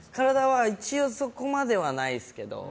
一応、そこまではないですけど。